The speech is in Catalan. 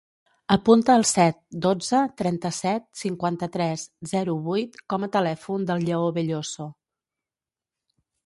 Apunta el set, dotze, trenta-set, cinquanta-tres, zero, vuit com a telèfon del Lleó Belloso.